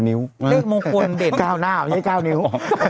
เลขมงคลเดช๙หน้าไม่ใช่๙นิ้ว